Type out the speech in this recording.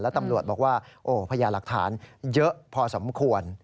ตำรวจบอกว่าโอ้พญาหลักฐานเยอะพอสมควร